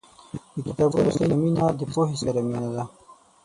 • د کتابونو سره مینه، د پوهې سره مینه ده.